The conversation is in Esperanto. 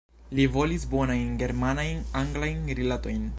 Li volis bonajn germanajn-anglajn rilatojn.